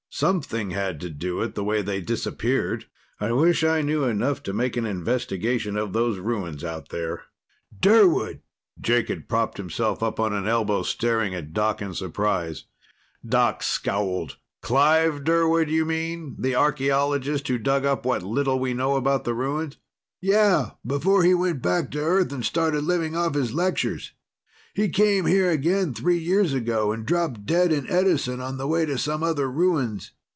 Something had to do it, the way they disappeared. I wish I knew enough to make an investigation of those ruins out there." "Durwood!" Jake had propped himself on an elbow, staring at Doc in surprise. Doc scowled. "Clive Durwood, you mean? The archeologist who dug up what little we know about the ruins?" "Yeah, before he went back to Earth and started living off his lectures. He came here again three years ago and dropped dead in Edison on the way to some other ruins.